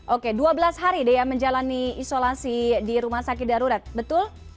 oke dua belas hari daya menjalani isolasi di rumah sakit darurat betul